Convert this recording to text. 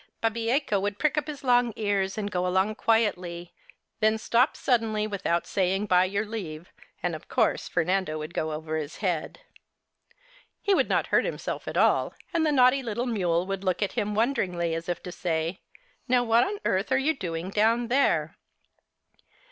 Babieca would prick up his long ears and go along quietly, then stop suddenly without saying " by your leave," and, of course, Fernando would 60 Our Little Spanish Cousin go over his head. He would not hurt himself at all, and the naughty little mule would look at him wonderingly as if to say :" Now what on earth are you doing down there